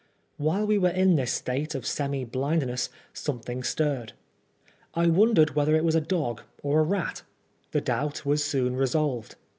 While we were in this state of semi blindness, something stirred. I wondered whether it was a dog or a rat. The doubt was soon resolved.